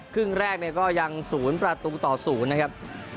ครึ่งแรกก็ยังศูนย์ประตูต่อศูนย์นะครับ